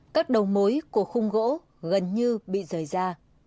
các đầu mối của khung gỗ gần như bị rời ra